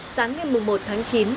sáng ngày mùng một tháng chín